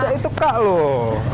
seepak itu kak loh